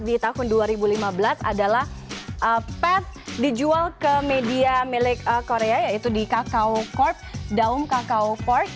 di tahun dua ribu lima belas adalah pet dijual ke media milik korea yaitu di kakao korp daum kakao fork